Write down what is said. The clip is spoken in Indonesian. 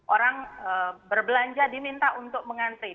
orang berbelanja diminta untuk mengantri